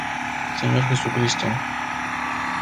Sr. Jesucristo.